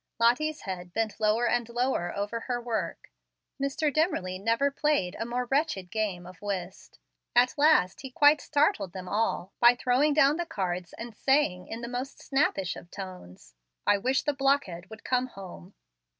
Lottie's head bent lower and lower over her work. Mr. Dimmerly never played a more wretched game of whist. At last he quite startled them all by throwing down the cards and saying, in the most snappish of tones, "I wish the blockhead would come home."